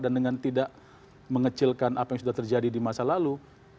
dengan tidak mengecilkan apa yang sudah terjadi di masa lalu